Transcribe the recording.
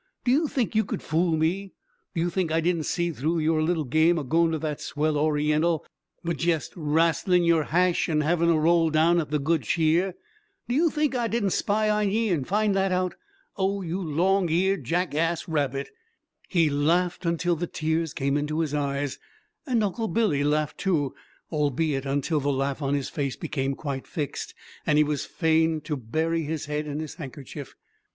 "Do you think you could fool me? Do you think I didn't see through your little game o' going to that swell Oriental, jest as if ye'd made a big strike and all the while ye wasn't sleepin' 'or eatin' there, but jest wrastlin' yer hash and having a roll down at the Good Cheer! Do you think I didn't spy on ye and find that out? Oh, you long eared jackass rabbit!" He laughed until the tears came into his eyes, and Uncle Billy laughed too, albeit until the laugh on his face became quite fixed, and he was fain to bury his head in his handkerchief.